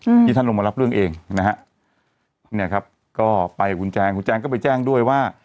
อืมที่ท่านลงมารับเรื่องเองนะฮะเนี่ยครับก็ไปกับคุณแจงคุณแจงก็ไปแจ้งด้วยว่า